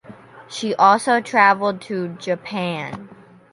She also travelled to Japan.